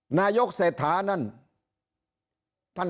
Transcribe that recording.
หน่ายกเสถานั่น